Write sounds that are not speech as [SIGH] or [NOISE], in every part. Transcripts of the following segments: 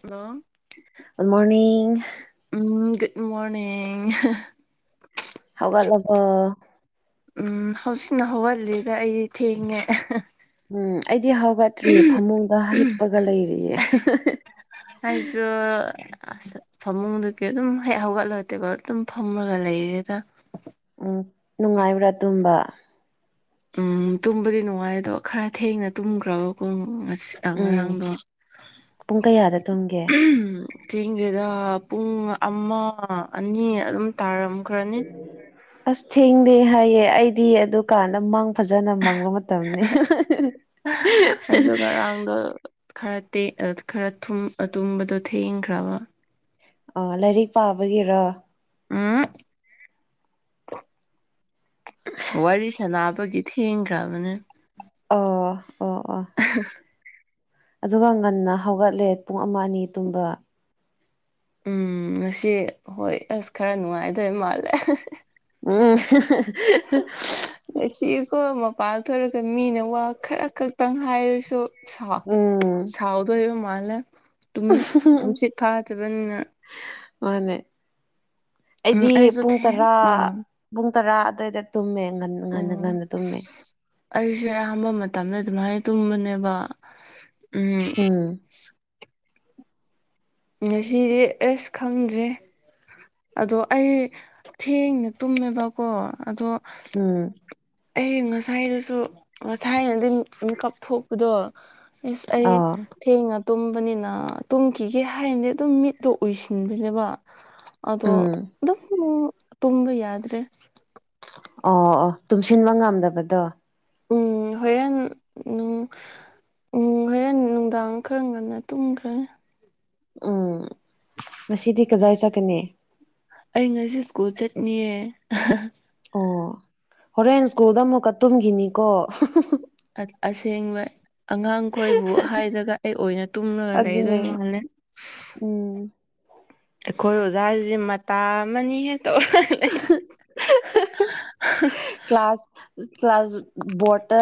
hello good morning um good morning ꯍꯥ ꯍꯧꯒꯠꯂꯕꯣ ꯎꯝ ꯍꯧꯖꯤꯛꯅ ꯍꯧꯒꯠꯂꯤꯗ ꯑꯩꯗꯤ ꯊꯦꯡꯉꯦ ꯎꯝ ꯑꯩꯗꯤ ꯍꯧꯒꯠꯇ꯭ꯔꯤ ꯐꯃꯨꯡꯗ ꯍꯤꯞꯄꯒ ꯂꯩꯔꯤꯌꯦ ꯍꯨ ꯍꯨ ꯍꯨ ꯍ ꯑ ꯑꯁ ꯐꯃꯨꯡꯗꯒꯤ ꯑꯗꯨꯝ ꯍꯦꯛ ꯍꯧꯒꯠꯂꯛ ꯇꯦꯕꯜꯗ ꯑꯗꯨꯝ ꯐꯝꯃꯒ ꯂꯩꯔꯦꯗ ꯎꯝ ꯅꯨꯡꯉꯥꯏꯕ꯭ꯔꯥ ꯇꯨꯝꯕ ꯎꯝ ꯇꯨꯝꯕꯗꯤ ꯅꯨꯡꯉꯥꯏ ꯑꯗꯣ ꯈꯔ ꯊꯦꯡꯅ ꯇꯨꯝꯈ꯭ꯔꯕꯀꯣ ꯉꯁ ꯑ ꯎꯝ ꯉꯔꯥꯡꯗꯣ ꯄꯨꯡ ꯀꯌꯥꯗ ꯇꯨꯝꯒꯦ ꯊꯦꯡꯗꯦꯗ ꯄꯨꯡ ꯑꯃ ꯑꯅꯤ ꯑꯗꯨꯝ ꯇꯥꯔꯝꯈ꯭ꯔꯅꯤ ꯑꯁ ꯊꯦꯡꯗꯦ ꯍꯥꯏꯌꯦ ꯑꯩꯗꯤ ꯑꯗꯨꯀꯥꯟꯗ ꯃꯪ ꯐꯖꯅ ꯃꯪꯕ ꯃꯠ ꯇꯝꯃꯦ [UNINTELLIGIBLE] ꯈꯔ ꯇꯦꯛ ꯈꯔ ꯊꯨꯝ ꯇꯨꯝꯕꯗꯣ ꯊꯦꯡꯈ꯭ꯔꯕ ꯑꯥ ꯂꯥꯏꯔꯤꯛ ꯄꯥꯕꯒꯤꯔ ꯎꯝ [INAUDIBLE] ꯋꯥꯔꯤ ꯁꯥꯟꯅꯕꯒꯤ ꯊꯦꯡꯈ꯭ꯔꯕꯅꯦ ꯑꯣ ꯑꯣ ꯑꯣ [INAUDIBLE] ꯑꯗꯨꯒ ꯉꯟꯅ ꯍꯧꯒꯠꯂꯦ ꯄꯨꯡ ꯑꯃ ꯑꯅꯤ ꯇꯨꯝꯕ ꯎꯝ ꯉꯁꯤ ꯍꯣꯏ ꯑꯁ ꯈꯔ ꯅꯨꯡꯉꯥꯏꯗꯣꯏ ꯃꯥꯜꯂꯦ ꯎꯝ ꯍꯨ ꯍꯨ ꯍꯨ ꯉꯁꯤꯀꯣ ꯃꯄꯥꯜ ꯊꯣꯔꯛꯒ ꯃꯤꯅ ꯋꯥ ꯈꯔ ꯈꯛꯇꯪ ꯍꯥꯏꯔꯁꯨ ꯁꯥ ꯎꯝ ꯁꯥꯥꯎꯗꯣꯏꯕ ꯃꯥꯥꯜꯂꯦ ꯎꯝꯍꯨꯝ ꯍꯨꯝ ꯃꯥꯅꯦ ꯎꯝ ꯑꯩꯗꯤ ꯑꯩꯁꯨ ꯄꯨꯡ ꯊꯦꯡ ꯇꯔꯥ ꯎꯝ ꯄꯨꯡ ꯇꯔꯥ ꯑꯗꯨꯋꯥꯏꯗ ꯇꯨꯝꯃꯦ ꯉꯟꯅ ꯉꯟꯅ ꯎꯝ ꯉꯟꯅ ꯇꯨꯝꯃꯦ ꯑꯩꯁꯦ ꯑꯌꯥꯝꯕ ꯃꯇꯝꯗ ꯑꯗꯨꯃꯥꯏ ꯇꯨꯝꯕꯅꯦꯕ ꯎꯝ ꯉꯁꯤꯗꯤ ꯑꯁ ꯈꯪꯗ꯭ꯔꯦ ꯑꯗꯣ ꯑꯩ ꯊꯦꯡꯅ ꯇꯨꯝꯃꯦꯕꯀꯣ ꯑꯗꯣ ꯎꯝ ꯑꯩ ꯉꯁꯥꯏꯗꯨꯁꯨ ꯉꯁꯥꯏ ꯅꯨꯡꯗꯤꯟ ꯃꯤꯀꯞ ꯊꯣꯛ ꯑꯗꯣ ꯏꯁ ꯑꯩ ꯑꯥ ꯊꯦꯡꯅ ꯇꯨꯝꯕꯅꯤꯅ ꯇꯨꯝꯈꯤꯒꯦ ꯍꯥꯏꯅꯗꯤ ꯑꯗꯨꯝ ꯃꯤꯠꯇꯣ ꯎꯏꯁꯤꯟꯕꯅꯦꯕ ꯑꯗꯣ ꯎꯝ ꯑꯗꯨꯝ ꯇꯨꯝꯕ ꯌꯥꯗ꯭ꯔꯦ ꯑꯣ ꯑꯣ ꯇꯨꯝꯁꯤꯟꯕ ꯉꯝꯗꯕꯗꯣ ꯎꯝ ꯍꯣꯔꯦꯟ ꯎꯝ ꯎꯝ ꯍꯣꯔꯦꯟ ꯅꯨꯡꯗꯥꯡ ꯈꯔ ꯉꯟꯅ ꯇꯨꯝꯈ꯭ꯔꯅꯤ ꯎꯝ ꯉꯁꯤꯗꯤ ꯀꯗꯥꯏ ꯆꯠꯀꯅꯤ ꯑꯩ ꯉꯁꯤ ꯁ꯭ꯀꯨꯜ ꯆꯠꯅꯤꯌꯦ ꯑꯍꯥ ꯍꯥ ꯑꯣ ꯍꯣꯔꯦꯟ ꯁ꯭ꯀꯨꯜꯗ ꯑꯃꯨꯛꯀ ꯇꯨꯝꯈꯤꯅꯤꯀꯣ ꯑꯁꯦꯡꯕ ꯑꯉꯥꯡꯈꯣꯏꯕꯨ ꯍꯥꯏꯔꯒ ꯑꯩ ꯑꯣꯏꯅ ꯇꯨꯝꯂꯒ ꯂꯩꯗꯣꯏ ꯑꯗꯨꯅꯦ ꯃꯥꯜꯂꯦ ꯎꯝ ꯑꯩꯈꯣꯏ ꯑꯣꯖꯥꯁꯤꯗꯤ ꯃꯇꯥ ꯑꯃꯅꯤꯍꯦ ꯇꯧꯔ ꯀ꯭ꯂꯥꯁ ꯀ꯭ꯂꯥꯁ ꯕꯣꯔꯠꯇ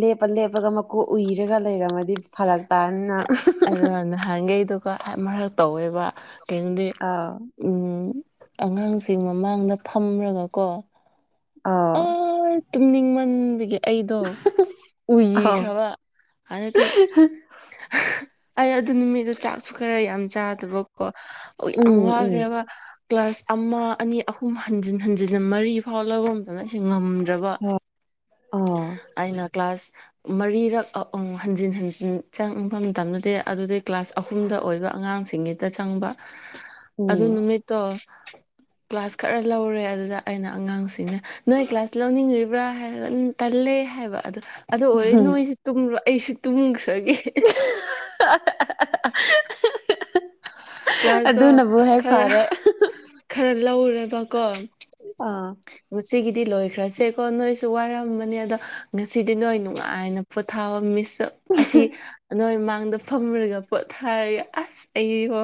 ꯂꯦꯞꯄ ꯂꯦꯞꯄꯒ ꯃꯀꯣꯛ ꯎꯏꯔꯒ ꯂꯩꯔꯝꯃꯗꯤ ꯐꯔꯛ ꯇꯥꯅꯤ ꯅꯪ ꯑꯗꯨꯅ ꯅꯍꯥꯟꯒꯩꯗꯨꯀꯣ ꯐꯥꯏ ꯃꯔꯛ ꯇꯧꯋꯦꯕ ꯀꯩꯗꯤ ꯑꯧ ꯎꯝ ꯑꯉꯥꯡꯁꯤꯡ ꯃꯃꯥꯡꯗ ꯐꯝꯃꯀꯣ ꯑꯥ ꯇꯨꯝꯅꯤꯡ ꯃꯟꯕꯒꯤ ꯑꯩꯗꯣ ꯑꯥꯎ ꯎꯏꯈ꯭ꯔꯕ ꯑꯗꯨꯗꯤ ꯑꯩ ꯑꯗꯨ ꯅꯨꯃꯤꯠꯇꯣ ꯆꯥꯛꯁꯨ ꯈꯔ ꯌꯥꯝ ꯆꯥꯗꯕ ꯀꯣꯛ ꯌꯥꯝ ꯎꯝ ꯎꯝ ꯉꯥꯎꯈ꯭ꯔꯦꯕ ꯀ꯭ꯂꯥꯁ ꯑꯃ ꯑꯅꯤ ꯑꯍꯨꯝ ꯍꯟꯖꯤꯟ ꯍꯟꯖꯤꯟꯟꯅ ꯃꯔꯤ ꯐꯥꯎ ꯂꯧꯔꯝꯗꯅ ꯁꯤ ꯉꯝꯗ꯭ꯔꯕ ꯍꯣꯏ ꯑꯥ ꯑꯩꯅ ꯀ꯭ꯂꯥꯁ ꯃꯔꯤꯔꯛ ꯍꯟꯖꯤꯟ ꯍꯟꯖꯤꯟ ꯆꯪꯕ ꯃꯇꯝꯗꯗꯤ ꯑꯗꯨꯗꯩ ꯀ꯭ꯂꯥꯁ ꯑꯍꯨꯝꯗ ꯑꯣꯏꯕ ꯑꯉꯥꯡꯁꯤꯡꯒꯤꯗ ꯆꯪꯕ ꯑꯗꯨ ꯎꯝ ꯅꯨꯃꯤꯠꯇꯣ ꯀ꯭ꯂꯥꯁ ꯈꯔ ꯂꯧꯔꯦ ꯑꯗꯨꯗ ꯑꯩꯅ ꯑꯉꯥꯡꯁꯤꯡꯅ ꯅꯣꯏ ꯀ꯭ꯂꯥꯁ ꯂꯧꯅꯤꯡ꯭ꯔꯤꯕ꯭ꯔꯥ ꯍꯥꯏꯔꯒ ꯎꯝ ꯇꯜꯂꯦ ꯍꯥꯏꯕ ꯑꯗꯨ ꯑꯗꯨ ꯑꯣꯏꯔꯒ ꯅꯣꯏ ꯨꯇꯨꯝꯔꯣ ꯑꯩꯁꯨ ꯇꯨꯝꯈ꯭ꯔꯒꯦ ꯀ꯭ꯂꯥꯁꯇꯣ ꯑꯗꯨꯅꯕꯨ ꯍꯦꯛ ꯈꯔ ꯐꯔꯦ ꯈꯔ ꯂꯧꯔꯦꯕꯀꯣ ꯑꯥ ꯉꯁꯤꯒꯤꯗꯤ ꯂꯣꯏꯈ꯭ꯔꯁꯦꯀꯣ ꯅꯣꯏꯁꯨ ꯋꯥꯔꯝꯕꯅꯤ ꯑꯗꯣ ꯉꯁꯤꯗꯤ ꯅꯣꯏ ꯅꯨꯡꯉꯥꯏꯅ ꯄꯣꯊꯥꯋꯣ ꯃꯤꯁ ꯑꯁꯤ ꯅꯣꯏ ꯃꯥꯡꯗ ꯐꯝꯔꯒ ꯄꯣꯠ ꯊꯥꯌꯦ ꯑꯁ ꯑꯩꯌꯣ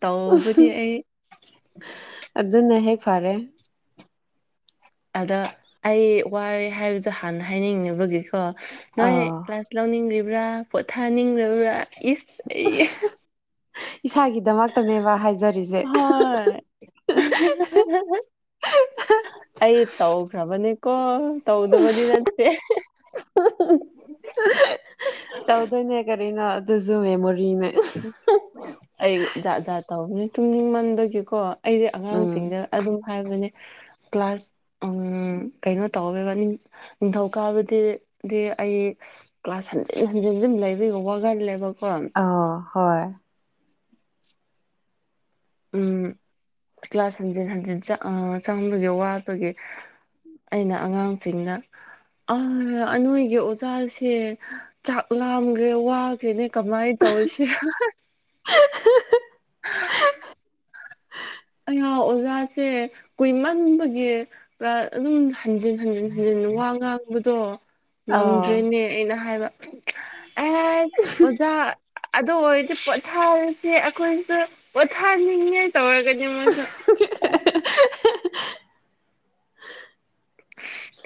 ꯇꯧꯕꯅꯤ ꯑꯩ ꯑꯗꯨꯅ ꯍꯦꯛ ꯐꯔꯦ ꯑꯗ ꯑꯩ ꯋꯥꯔꯦ ꯍꯥꯏꯕꯗꯣ ꯍꯥꯟꯅ ꯍꯥꯏꯅꯤꯡꯅꯕꯒꯤꯀꯣ ꯅꯣꯏ ꯑꯥ ꯀ꯭ꯂꯥꯁ ꯂꯧꯅꯤꯡꯂꯤꯕ꯭ꯔꯥ ꯄꯣꯊꯥꯅꯤꯡ꯭ꯕ꯭ꯔꯥ ꯏꯁ ꯑꯩ ꯏꯁꯥꯒꯤꯗꯃꯛꯇꯅꯦꯕ ꯍꯥꯏꯖꯔꯤꯁꯦ ꯍꯣꯏ ꯑꯩ ꯇꯧꯈ꯭ꯔꯕꯅꯤꯀꯣ ꯇꯧꯗꯕꯗꯤ ꯅꯠꯇꯦ ꯇꯧꯗꯣꯏꯅꯦ ꯀꯔꯤꯅꯣ ꯑꯗꯨꯁꯨ ꯃꯦꯃꯣꯔꯤꯅꯦ ꯑꯩ ꯖꯥꯠ ꯖꯥꯠ ꯇꯧꯕꯅꯤ ꯇꯨꯡꯅꯤꯡꯃꯟꯕꯒꯤꯀꯣ ꯑꯩꯗꯤ ꯎꯝ ꯑꯉꯥꯡꯁꯤꯡꯗ ꯑꯗꯨꯝ ꯍꯥꯏꯕꯅꯦ ꯀ꯭ꯂꯥꯁ ꯎ ꯀꯩꯅꯣ ꯇꯧꯋꯦꯕ ꯅꯤꯡꯊꯧꯀꯥꯕꯗꯤꯗꯤ ꯑꯩ ꯀ꯭ꯂꯥꯁ ꯍꯟꯖꯤꯟ ꯍꯟꯖꯤꯟꯁꯨ ꯑꯗꯨꯝ ꯂꯩꯕꯒ ꯋꯥꯈꯜꯂꯦꯕꯀꯣ ꯑꯣ ꯍꯣꯏ ꯎꯝ ꯀ꯭ꯂꯥꯁ ꯍꯟꯖꯤꯟ ꯍꯟꯖꯤꯟ ꯑ ꯆꯪꯕꯒꯤ ꯋꯥꯕꯒꯤ ꯑꯩꯅ ꯑꯉꯥꯡꯁꯤꯡꯅ ꯑ ꯅꯣꯏꯒꯤ ꯑꯣꯖꯥꯁꯦ ꯆꯥꯛ ꯂꯥꯝꯈ꯭ꯔꯦ ꯋꯥ ꯐꯅꯦ ꯀꯃꯥꯏ ꯇꯧꯁꯤ [UNINTELLIGIBLE] ꯑꯩꯌꯥ ꯑꯣꯖꯥꯁꯦ ꯀꯨꯏꯃꯟꯕꯒꯤ ꯀ꯭ꯂꯥꯁ ꯑꯗꯨꯝ ꯍꯟꯖꯤꯟ ꯍꯟꯖꯤꯟ ꯍꯟꯖꯤꯟ ꯋꯥ ꯉꯥꯡꯕꯗꯣ ꯑꯥ ꯉꯝꯗ꯭ꯔꯦꯅꯦ ꯑꯩꯅ ꯍꯥꯏꯕ ꯑꯦꯁ ꯑꯣꯖꯥ ꯑꯗꯨ ꯑꯣꯏꯔꯗꯤ ꯄꯣꯊꯥꯔꯤꯁꯦ ꯑꯩꯈꯣꯏꯁꯨ ꯄꯣꯊꯥꯅꯤꯡꯉꯥꯏ ꯇꯧꯔꯒꯅꯤ ꯃꯣꯏꯁꯨ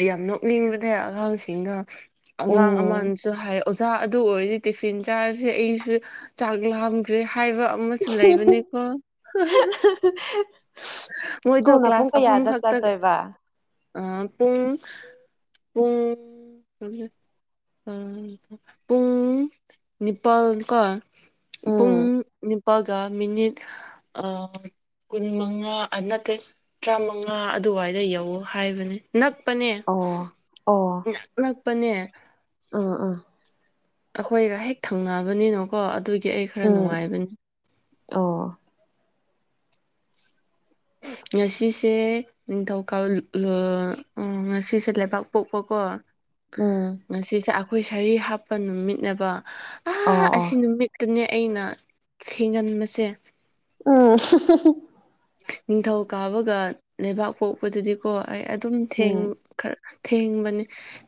ꯌꯥꯝ ꯅꯣꯛꯅꯤꯡꯕꯅꯦ ꯑꯉꯥꯡꯁꯤꯡꯗꯣ ꯑꯉꯥꯡ ꯎꯝ ꯑꯃꯅꯁꯨ ꯍꯥꯏ ꯑꯣꯖꯥ ꯑꯗꯨ ꯑꯣꯏꯔꯗꯤ ꯇꯤꯐꯤꯟ ꯆꯥꯔꯁꯦ ꯑꯩꯁꯨ ꯆꯥꯛ ꯂꯝꯈ꯭ꯔꯦ ꯍꯥꯏꯕ ꯑꯃꯁꯨ ꯂꯩꯕꯅꯤꯀꯣ ꯃꯣꯏꯗꯣ ꯁ꯭ꯀꯨꯜꯅ ꯀ꯭ꯂꯥꯁ ꯄꯨꯡ ꯑꯍꯨꯝ ꯀꯌꯥꯗ ꯈꯛꯇ ꯆꯠꯇꯣꯏꯕ ꯄꯨꯡ ꯄꯨꯡ ꯄꯨꯡ ꯅꯤꯄꯥꯜꯀꯣ ꯄꯨꯡ ꯎꯝ ꯅꯤꯄꯥꯜꯒ ꯃꯤꯅꯤꯠ ꯑ ꯀꯨꯟ ꯃꯉꯥ ꯅꯠꯇꯦ ꯇ꯭ꯔꯥꯃꯉꯥ ꯑꯗꯨꯋꯥꯏꯗ ꯌꯧꯋ ꯍꯥꯏꯕꯅꯦ ꯅꯛꯄꯅꯦ ꯑꯣ ꯏꯅꯛ ꯅꯛꯄꯅꯦ ꯑꯥ ꯑꯥ ꯑꯩꯈꯣꯏꯒ ꯍꯦꯛ ꯊꯪꯅꯕꯅꯤꯅꯀꯣ ꯑꯗꯨꯒꯤ ꯑꯩꯒ ꯎꯝ ꯑꯣ ꯉꯁꯤꯁꯦ ꯅꯤꯡꯊꯧꯀꯥ [UNINTELLIGIBLE] ꯑꯪ ꯉꯁꯤꯁꯦ ꯂꯩꯄꯥꯛꯄꯣꯛꯄ ꯀꯣ ꯎꯝ ꯉꯁꯤꯁꯦ ꯑꯈꯣꯏ ꯁꯥꯔꯤ ꯍꯥꯞꯄ ꯅꯨꯃꯤꯠꯅꯦꯕ ꯑꯥ ꯑꯣ ꯑꯣ ꯑꯁꯤ ꯅꯨꯃꯤꯠꯇꯅꯦ ꯑꯩꯅ ꯊꯦꯡꯒꯟꯕꯁꯦ ꯎꯝ [UNINTELLIGIBLE] ꯅꯤꯡꯊꯧꯀꯥꯕꯒ ꯂꯩꯕꯥꯛꯄꯣꯛꯄꯗꯗꯤ ꯀꯣ ꯑꯩ ꯑꯗꯨꯝ ꯊꯦꯡ ꯎꯝ ꯈ꯭ꯔ ꯊꯦꯡꯕꯅꯦ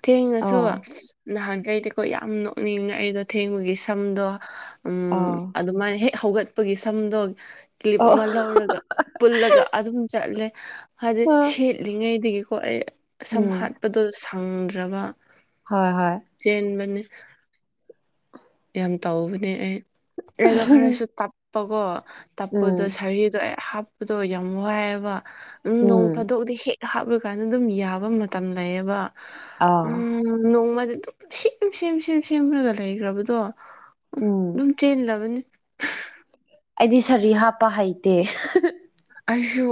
ꯊꯦꯡꯔꯁꯨ ꯑꯣ ꯅꯍꯥꯟꯒꯩꯗꯤ ꯍꯣꯏ ꯌꯥꯝ ꯅꯣꯛꯅꯤꯡꯉꯦ ꯑꯩꯗꯣ ꯊꯦꯡꯕꯒꯤ ꯁꯝꯗꯣ ꯎꯝ ꯑꯣ ꯑꯗꯨꯃꯥꯏ ꯍꯦꯛ ꯍꯧꯒꯠꯄꯒꯤ ꯁꯝꯗꯣ ꯀ꯭ꯂꯤꯞ ꯑꯃ ꯂꯧꯔꯒ ꯄꯨꯜꯂꯒ ꯑꯗꯨꯝ ꯆꯠꯂꯦ ꯍꯥꯏꯗꯤ ꯑꯣ ꯁꯦꯠꯂꯤꯉꯩꯗꯒꯤꯀꯣ ꯑꯩ ꯁꯝ ꯎꯝ ꯍꯥꯠꯄꯗꯣ ꯁꯪꯗ꯭ꯔꯕ ꯍꯣꯏ ꯍꯣꯏ ꯆꯦꯟꯕꯅꯦ ꯌꯥꯝ ꯇꯧꯕꯅꯦ ꯑꯩ ꯑꯩꯗꯣ ꯈꯔꯁꯨ ꯇꯞꯄꯀꯣ ꯇꯞꯄꯗꯣ ꯎꯝ ꯁꯔꯤꯗꯣ ꯑꯩ ꯍꯥꯞꯄꯗꯣ ꯌꯥꯝ ꯋꯥꯏꯌꯦꯕ ꯎꯝ ꯅꯣꯡ ꯐꯥꯗꯣꯛꯗꯤ ꯍꯦꯛ ꯍꯥꯞꯔꯀꯥꯟꯗ ꯗꯨꯝ ꯌꯥꯕ ꯃꯇꯝ ꯂꯩꯌꯦꯕ ꯎꯝ ꯑꯥ ꯅꯣꯡꯃꯗꯤ ꯗꯨꯝ ꯁꯦꯝ ꯁꯦꯝ ꯁꯦꯝ ꯁꯦꯝꯔꯒ ꯂꯩꯒ꯭ꯔꯕꯗꯣ ꯎꯝ ꯗꯨꯝ ꯆꯦꯟꯂꯕꯅꯦ ꯑꯩꯗꯤ ꯁꯥꯔꯤ ꯍꯥꯞꯄ ꯍꯩꯇꯦ [UNINTELLIGIBLE] ꯑꯩꯁꯨ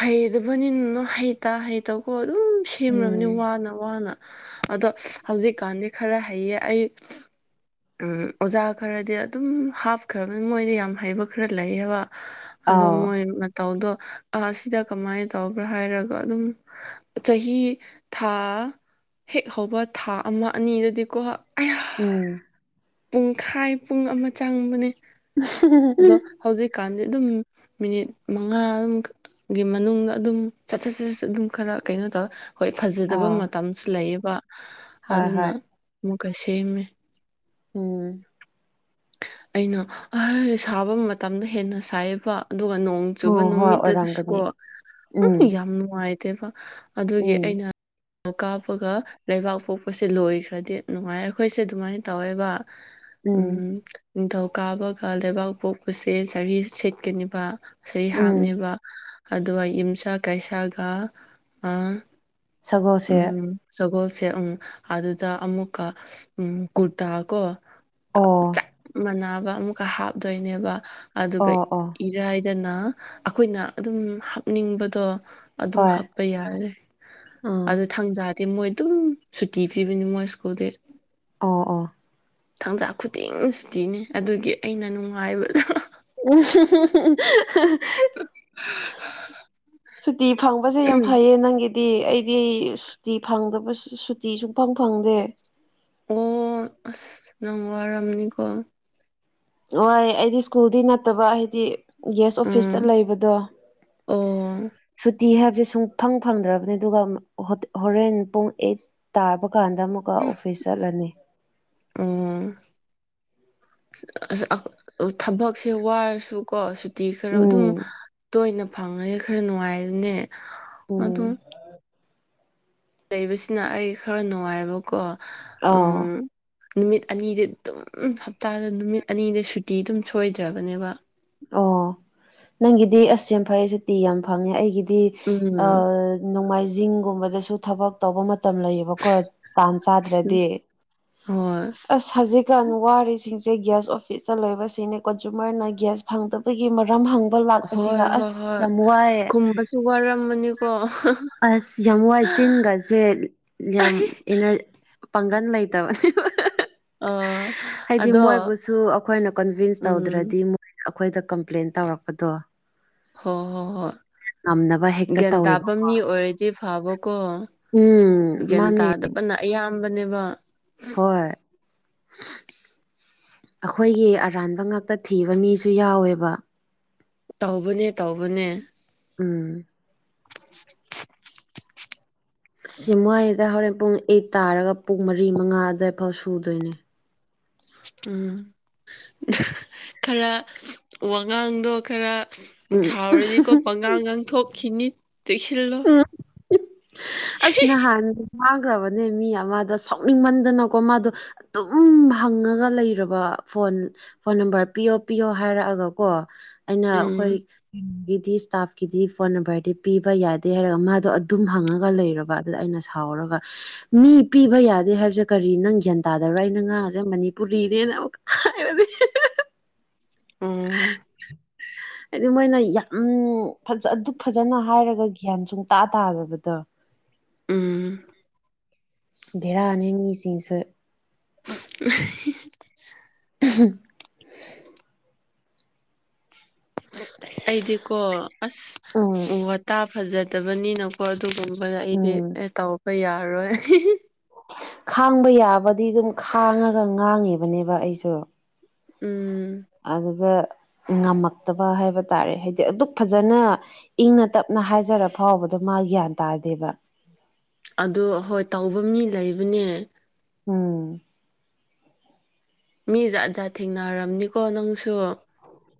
ꯍꯩꯗꯕꯅꯤꯅꯣ ꯍꯩꯇꯥ ꯍꯩꯇꯥ ꯀꯣ ꯑꯗꯨꯝ ꯎꯝ ꯁꯦꯝꯔꯕꯅꯤ ꯋꯥꯅ ꯋꯥꯅ ꯑꯗꯣ ꯍꯧꯖꯤꯛꯀꯥꯟꯗꯤ ꯈꯔ ꯍꯩꯌꯦ ꯑꯩ ꯎꯝ ꯑꯣꯖꯥ ꯈꯔꯗꯤ ꯑꯗꯨꯝ ꯍꯥꯞꯈ꯭ꯔꯕ ꯃꯣꯏꯗꯤ ꯌꯥꯝ ꯍꯩꯕ ꯈ꯭ꯔ ꯂꯩꯌꯦꯕ ꯑꯗꯣ ꯑꯥꯎ ꯃꯣꯏ ꯃꯇꯧꯗꯣ ꯑꯥ ꯁꯤꯗ ꯀꯃꯥꯏ ꯇꯧꯕ꯭ꯔꯥ ꯍꯥꯏꯔꯒ ꯑꯗꯨꯝ ꯆꯍꯤ ꯊꯥ ꯍꯦꯛ ꯍꯧꯕ ꯊꯥ ꯑꯃ ꯑꯅꯤꯗꯗꯤꯀꯣ ꯑꯥꯢ ꯎꯝ ꯄꯨꯡꯈꯥꯏ ꯄꯨꯡ ꯑꯃ ꯆꯪꯕꯅꯦ ꯑꯗꯣ [UNINTELLIGIBLE] ꯍꯧꯖꯤꯛꯀꯥꯟꯗꯤ ꯑꯗꯨꯝ ꯃꯤꯅꯤꯠ ꯃꯉꯥ ꯗꯨꯝ ꯒꯤ ꯃꯅꯨꯡꯗ ꯑꯗꯨꯝ [UNINTELLIGIBLE] ꯑꯗꯨꯝ ꯈꯔ ꯀꯩꯅꯣ ꯇꯧꯋꯦ ꯍꯣꯏ ꯐꯖꯗꯕ ꯑꯥ ꯃꯇꯝꯁꯨ ꯂꯩꯌꯦꯕ ꯍꯣꯏ ꯑꯗꯨꯅ ꯍꯣꯏ ꯃꯨꯛꯀ ꯁꯦꯝꯃꯦ ꯎꯝ ꯑꯩꯅ [UNINTELLIGIBLE] ꯁꯥꯕ ꯃꯇꯝꯗ ꯍꯦꯟꯅ ꯁꯥꯏꯌꯦꯕ ꯑꯗꯨꯒ ꯅꯣꯡ ꯆꯨꯕ ꯎꯝ ꯍꯣꯏ ꯅꯨꯃꯤꯠꯇ ꯁꯨꯀꯣ ꯑꯣꯏꯔꯝꯒꯅꯤ ꯎꯝ ꯌꯥꯝ ꯅꯨꯡꯉꯥꯏꯇꯦꯕ ꯑꯗꯨꯒꯤ ꯎꯝ ꯑꯩꯅ [UNINTELLIGIBLE] ꯀꯥꯞꯄꯒ ꯂꯩꯕꯥꯛꯄꯣꯛꯄꯁꯦ ꯂꯣꯏꯈ꯭ꯔꯗꯤ ꯅꯨꯡꯉꯥꯏ ꯌꯦ ꯑꯈꯣꯏꯁꯦ ꯗꯨꯃꯥꯏ ꯇꯧꯋꯦꯕ ꯎꯝ ꯅꯤꯡꯊꯧꯀꯥꯕꯒ ꯂꯩꯕꯥꯛꯄꯣꯛꯄꯁꯦ ꯁꯥꯔꯤ ꯁꯦꯠꯀꯅꯤꯕ ꯁꯔꯤ ꯎꯝ ꯍꯥꯞꯅꯦꯕ ꯑꯗꯨꯒ ꯌꯨꯝꯁꯀꯩꯁꯥꯒ ꯑꯥ ꯁꯒꯣꯜꯁꯦ ꯎꯝ ꯁꯒꯣꯜꯁꯦꯜ ꯎꯝ ꯑꯗꯨꯗ ꯑꯃꯨꯛꯀ ꯎꯝ ꯀꯨꯔꯇꯥ ꯀꯣ ꯑꯣ ꯃꯅꯥꯕ ꯑꯃꯨꯛꯀ ꯍꯥꯞꯇꯣꯏꯅꯦꯕ ꯑꯗꯨꯒ ꯑꯣ ꯑꯣ ꯏꯔꯥꯏ ꯗꯅ ꯑꯈꯣꯏꯅ ꯑꯗꯨꯝ ꯍꯥꯞꯅꯤꯡꯕꯗꯣ ꯑꯗꯨꯝ ꯍꯣꯏ ꯍꯥꯞꯄ ꯌꯥꯔꯦ ꯑꯗꯨ ꯎꯝ ꯊꯥꯡꯖꯥꯗꯤ ꯃꯣꯏ ꯗꯨꯝ ꯁꯨꯇꯤ ꯄꯤꯕꯅꯤ ꯃꯣꯏ ꯁ꯭ꯀꯨꯜꯗꯤ ꯑꯣ ꯑꯣ ꯊꯥꯡꯖꯥ ꯈꯨꯗꯤꯡ ꯁꯨꯇꯤꯅꯦ ꯑꯗꯨꯒꯤ ꯑꯩꯅ ꯅꯨꯡꯉꯥꯏꯕꯗꯣ [UNINTELLIGIBLE] [UNINTELLIGIBLE] [UNINTELLIGIBLE] ꯁꯨꯇꯤ ꯐꯪꯕꯁꯦ ꯌꯥꯝ ꯐꯩꯌꯦ ꯅꯪꯒꯤ ꯗꯤ ꯑꯩꯗꯤ ꯁꯨꯇꯤ ꯐꯪꯗꯕ ꯁꯨ ꯁꯨꯇꯤ ꯁꯨꯡꯐꯪ ꯐꯪꯗꯦ ꯑꯣ ꯑꯁ ꯅꯪ ꯋꯥꯔꯝꯃꯅꯤꯀꯣ ꯋꯥꯌꯦ ꯑꯩꯗꯤ ꯁ꯭ꯀꯨꯜꯗꯤ ꯅꯠꯇꯕ ꯍꯥꯏꯗꯤ ꯒꯦꯁ ꯑꯣꯐꯤꯁꯇ ꯎꯝ ꯂꯩꯕꯗꯣ ꯑꯣ ꯁꯨꯇꯤ ꯍꯥꯏꯕꯖꯦ ꯁꯨꯡ ꯐꯪ ꯐꯪꯗ꯭ꯔꯕꯅꯤ ꯑꯗꯨꯒ ꯍꯣꯠ ꯍꯣꯔꯦꯟ ꯄꯨꯡ ꯑꯩꯠ ꯇꯥꯕ ꯀꯥꯟꯗ ꯑꯃꯨꯛ ꯀꯥ ꯑꯣꯐꯤꯁ ꯆꯠꯂꯅꯤ ꯎꯝ [UNINTELLIGIBLE] ꯊꯥꯕꯛꯁꯦ ꯋꯥꯔꯁꯨ ꯀꯣ ꯇꯤ ꯈꯔ ꯑꯗꯨꯝ ꯎꯝ ꯇꯣꯏꯅ ꯐꯪꯉꯗꯤ ꯈꯔ ꯅꯨꯡꯉꯥꯏꯕꯅꯦ ꯑꯗꯨꯝ ꯎꯝ ꯂꯩꯕꯁꯤꯅ ꯑꯩ ꯈꯔ ꯅꯨꯡꯉꯥꯏꯕ ꯀꯣ ꯑꯣ ꯅꯨꯃꯤꯠ ꯑꯅꯤꯗꯤ ꯑꯗꯨꯝ ꯍꯞꯇꯥꯗ ꯅꯨꯃꯤꯠ ꯑꯅꯤꯗꯤ ꯁꯨꯇꯤ ꯑꯗꯨꯝ ꯁꯣꯏꯗ꯭ꯔꯕꯅꯦꯕ ꯑꯣ ꯅꯪꯒꯤꯗꯤ ꯑꯁ ꯌꯥꯝ ꯐꯩꯌꯦ ꯁꯨꯇꯤ ꯌꯥꯝ ꯐꯪꯉꯦ ꯑꯩꯒꯤꯗꯤ ꯎꯝ ꯑꯥ ꯅꯣꯡꯃꯥꯏꯖꯤꯡ ꯒꯨꯝꯕꯗꯁꯨ ꯊꯥꯕꯛ ꯇꯧꯕ ꯃꯇꯝ ꯂꯩ ꯕꯀꯣ ꯇꯥꯟ ꯑꯁ ꯆꯥꯗ꯭ꯔꯗꯤ ꯍꯣꯏ ꯑꯁ ꯍꯧꯖꯤꯛꯀꯥꯟ ꯋꯥꯔꯤꯔꯤꯁꯤꯡꯁꯦ ꯒ꯭ꯌꯥꯁ ꯑꯣꯐꯤꯁꯇ ꯂꯣꯏꯕꯁꯤꯅꯦ ꯀꯟꯖꯨꯃꯔꯅ ꯒ꯭ꯌꯥꯁ ꯐꯪꯗꯕ ꯑꯩꯈꯣꯏꯒꯤ ꯃꯔꯝ ꯍꯪꯕ ꯂꯥꯛꯄꯁꯤꯒ ꯑꯁ ꯌꯥꯝ ꯋꯥꯏꯌꯦ ꯁꯨ ꯋꯥꯔꯝꯕꯅꯤꯀꯣ ꯑꯁ ꯌꯥꯝ ꯋꯥꯏ ꯆꯤꯟꯒꯁꯦ ꯌꯥꯝ ꯏꯅꯔ ꯄꯥꯡꯒꯟ ꯂꯩꯇꯕ [UNINTELLIGIBLE] ꯑ ꯍꯥꯏꯗꯤ ꯑꯗꯣ ꯃꯣꯏꯕꯨꯁꯨ ꯑꯈꯣꯏꯅ ꯀꯟꯚꯤꯟꯁ ꯎꯝ ꯇꯧꯗ꯭ꯔꯗꯤ ꯃꯨꯛ ꯑꯈꯣꯏꯗ ꯀꯝꯄ꯭ꯂꯦꯟ ꯇꯧꯔꯛꯄꯗꯣ ꯍꯣ ꯍꯣ ꯍꯣꯏ ꯉꯝꯅꯕ ꯍꯦꯛꯇ ꯒ꯭ꯌꯥꯟ ꯇꯥꯕ ꯇꯧꯋꯦꯕꯀꯣ ꯃꯤ ꯑꯣꯏꯔꯗꯤ ꯐꯥꯕꯀꯣ ꯎꯝ ꯒ꯭ꯌꯥꯟ ꯃꯥꯅꯦ ꯇꯥꯗꯕꯅ ꯑꯌꯥꯝꯕꯅꯦꯕ ꯍꯣꯏ ꯑꯈꯣꯏꯒꯤ ꯑꯔꯥꯟꯕ ꯉꯥꯛꯇ ꯊꯤꯕ ꯃꯤꯁꯨ ꯌꯥꯎꯋꯦꯕ ꯇꯧꯕꯅꯦ ꯇꯧꯕꯅꯦ ꯎꯝ [INAUDIBLE] ꯑꯁ ꯃꯣꯏꯗ ꯍꯣꯔꯦꯟ ꯄꯨꯡ ꯑꯩꯠ ꯇꯥꯔꯒ ꯄꯨꯡ ꯃꯔꯤ ꯃꯉꯥ ꯑꯗꯥꯏꯐꯥꯎ ꯁꯨꯗꯣꯏꯅꯦ ꯎꯝ ꯈꯔ ꯋꯥꯉꯥꯡꯗꯣ ꯈꯔ ꯎꯝ ꯁꯥꯎꯔꯗꯤꯀꯣ ꯄꯪꯉꯥꯡ ꯉꯥꯡꯊꯣꯛꯈꯤꯅꯤ ꯆꯦꯛꯁꯤꯜꯂꯨ [UNINTELLIGIBLE] ꯑꯁ ꯅꯍꯥꯟ ꯉꯥꯡꯈ꯭ꯔꯕꯅꯦ ꯃꯤ ꯑꯃꯗ ꯁꯥꯎꯅꯤꯡꯃꯟꯗꯅ ꯀꯣ ꯃꯥꯗꯣ ꯗꯨꯝ ꯍꯪꯉꯒ ꯂꯩꯔꯕ ꯐꯣꯟ ꯐꯣꯟ ꯅꯝꯕꯔ ꯄꯤꯌꯣ ꯄꯤꯌꯣ ꯍꯥꯏꯔꯛꯑꯒ ꯀꯣ ꯑꯩꯅ ꯑꯈꯣꯏ ꯎꯝ ꯒꯤꯗꯤꯁ ꯏꯁ꯭ꯇꯥꯐꯀꯤꯗꯤ ꯐꯣꯟ ꯅꯝꯕꯔꯗꯤ ꯄꯤꯕ ꯌꯥ ꯗꯦ ꯃꯥꯗꯣ ꯑꯗꯨꯝ ꯍꯪꯉꯒ ꯂꯩꯔꯕ ꯑꯗꯨꯗ ꯑꯩꯅ ꯁꯥꯎꯔꯒ ꯃꯤ ꯄꯤꯕ ꯌꯥꯗꯦ ꯍꯥꯏꯕꯁꯦ ꯀꯔꯤ ꯅꯪ ꯒ꯭ꯌꯥꯟ ꯇꯥꯗꯕ꯭ꯔꯥ ꯑꯩꯅ ꯉꯥꯡꯑꯁꯦ ꯃꯅꯤꯄꯨꯔꯤꯅꯦꯅ ꯑꯃꯨꯛꯀ ꯍꯥꯏꯕꯅꯤ ꯎꯝ [INAUDIBLE] ꯍꯥꯏꯗꯤ ꯑꯗꯨꯃꯥꯏꯟꯅ ꯌꯥꯝ ꯐꯖ ꯑꯗꯨꯛ ꯐꯖꯅ ꯍꯥꯏꯔꯒ ꯒ꯭ꯌꯥꯟ ꯁꯨꯡꯇꯥꯥ ꯇꯥꯗꯕꯗꯣ ꯎꯝ ꯑꯁ ꯕꯦꯔꯥꯅꯦ ꯃꯤꯁꯤꯡꯁꯦ [UNINTELLIGIBLE] [UNINTELLIGIBLE] ꯑꯩꯗꯤꯀꯣ ꯑꯁ ꯎꯝ ꯋꯥꯇꯥ ꯐꯖꯗꯕꯅꯤꯅ ꯀꯣ ꯑꯗꯨꯒꯨꯝꯕꯗ ꯑꯩꯗꯤ ꯎꯝ ꯇꯧꯕ ꯌꯥꯔꯣꯏ [UNINTELLIGIBLE] ꯈꯥꯡꯕ ꯌꯥꯕꯗꯤ ꯑꯗꯨꯝ ꯈꯥꯡꯉꯒ ꯉꯥꯡꯉꯤꯕꯅꯦꯕ ꯑꯩꯁꯨ ꯎꯝ ꯑꯗꯨꯗ ꯉꯝꯃꯛꯇꯕ ꯍꯥꯏꯕ ꯇꯥꯔꯦ ꯍꯥꯏꯗꯤ ꯑꯗꯨꯛ ꯐꯖꯅ ꯏꯪꯅ ꯇꯞꯅ ꯍꯥꯏꯖꯔ ꯐꯥꯎꯕꯗ ꯃꯥ ꯒ꯭ꯌꯥꯟ ꯇꯥꯗꯦꯕ ꯑꯗꯨ ꯍꯣꯏ ꯇꯧꯕ ꯃꯤ ꯂꯩꯕꯅꯦ ꯎꯝ ꯃꯤ ꯖꯥꯠꯖꯥꯠ ꯊꯦꯡꯅꯔꯝꯅꯤꯀꯣ ꯅꯪꯁꯨ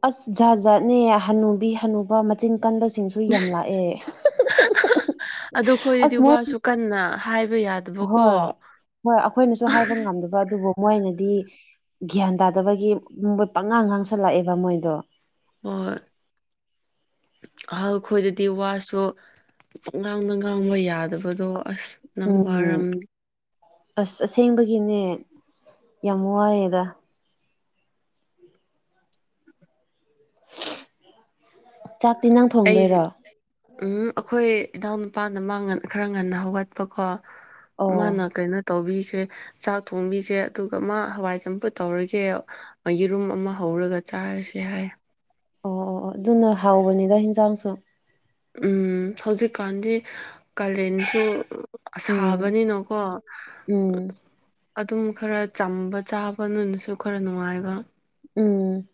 ꯑꯁ ꯖꯥꯠ ꯖꯥꯠꯅꯦ ꯍꯅꯨꯕꯤ ꯍꯅꯨꯕ ꯃꯆꯤꯟ ꯀꯟꯕꯁꯤꯡꯁꯦ ꯑꯗꯨꯨ ꯌꯥꯝ ꯂꯥꯛꯑꯦ ꯑꯗꯨ ꯈꯣꯏꯗꯗꯤ ꯑꯁ ꯃꯣꯏ ꯋꯥꯁꯨ ꯀꯟꯅ ꯍꯥꯏꯕ ꯌꯥ ꯍꯣꯏ ꯍꯣꯏ ꯑꯩꯈꯣꯏꯅꯁꯨ ꯍꯥꯏꯕ ꯉꯝꯗꯕ ꯑꯗꯨꯕꯨ ꯃꯣꯏꯅꯗꯤ ꯒ꯭ꯌꯥꯟ ꯇꯥꯗꯕꯒꯤ ꯃꯣꯏ ꯄꯪꯉꯥꯡ ꯉꯥꯡꯁꯜꯂꯛꯑꯦꯕ ꯃꯣꯏꯗꯣ ꯍꯣꯏ ꯑꯍꯜ ꯈꯣꯏꯗꯗꯤ ꯋꯥꯁꯨ ꯄꯪꯉꯥꯡꯗ ꯉꯥꯡꯕ ꯌꯥꯗꯕꯗꯣ ꯑꯁ ꯅꯪ ꯎꯝ ꯋꯥꯔꯝꯅꯤ ꯑꯁ ꯑꯁꯦꯡꯕꯒꯤꯅꯦ ꯌꯥꯝ ꯋꯥꯏꯌꯦꯗ ꯆꯥꯛꯇꯤ ꯅꯪ ꯊꯣꯡ ꯑꯩꯗꯤ ꯎꯝ ꯑꯩꯈꯣꯏ ꯏꯅꯥꯎ ꯅꯨꯄꯥꯅ ꯃꯥꯥ ꯉꯟ ꯈꯔ ꯉꯟꯅ ꯍꯧꯒꯠ ꯄꯀꯣ ꯑꯣ ꯑꯣ ꯃꯥꯅ ꯀꯩꯅꯣ ꯇꯧꯕꯤꯈ꯭ꯔꯦ ꯆꯥꯛ ꯊꯣꯡꯕꯤꯈ꯭ꯔꯦ ꯑꯗꯨꯒ ꯃꯥ ꯍꯋꯥꯏ ꯆꯝꯐꯨꯠ ꯇꯧꯔꯒꯦ ꯌꯦꯔꯨꯝ ꯑꯃ ꯍꯧꯔꯒ ꯆꯥꯔꯁꯦ ꯍꯥꯏ ꯑꯣ ꯑꯣ ꯑꯣ ꯑꯗꯨꯅ ꯍꯥꯎꯕꯅꯤꯗ ꯍꯦꯟꯖꯥꯡꯁꯨ ꯎꯝ ꯍꯧꯖꯤꯛꯀꯥꯟꯗꯤ ꯀꯥꯂꯦꯟꯁꯨ ꯑ ꯎꯝ ꯁꯥꯕꯅꯤꯅꯀꯣ ꯎꯝ ꯑꯗꯨꯝ ꯈꯔ ꯆꯝꯕ ꯆꯥꯕꯅꯁꯨ ꯈꯔ ꯅꯨꯡꯉꯥꯏꯕ ꯎꯝ